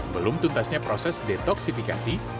belum tuntasnya proses detoksifikasi